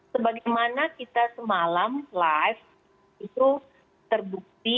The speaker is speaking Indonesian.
sebagaimana kita semalam live itu terbukti